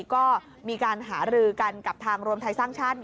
ก็มีการหารือกันกับทางรวมไทยสร้างชาติ